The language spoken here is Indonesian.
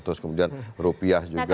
terus kemudian rupiah juga